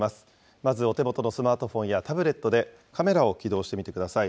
まずお手元のスマートフォンやタブレットでカメラを起動してみてください。